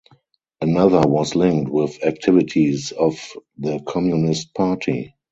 Another was linked with activities of the Communist Party.